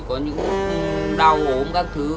có những đau ốm các thứ